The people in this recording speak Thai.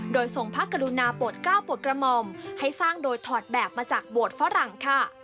โดยทรงพระกรุณาโปรดกล้าวโปรดกระหม่อมให้สร้างโดยถอดแบบมาจากโบสถฝรั่งค่ะ